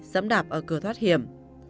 giấm đạp ở cửa thoát hiểm